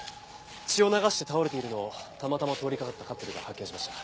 血を流して倒れているのをたまたま通りかかったカップルが発見しました。